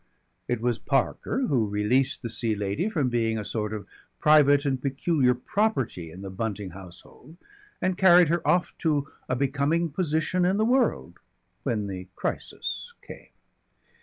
It was Parker who released the Sea Lady from being a sort of private and peculiar property in the Bunting household and carried her off to a becoming position in the world, when the crisis came.